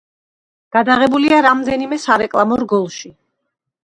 გადაღებულია რამდენიმე სარეკლამო რგოლში.